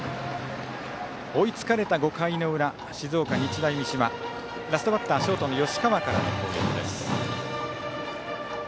追いつかれた５回の裏静岡・日大三島ラストバッターはショートの吉川からの攻撃です。